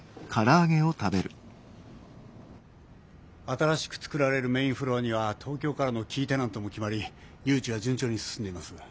新しく作られるメインフロアには東京からのキーテナントも決まり誘致は順調に進んでいます。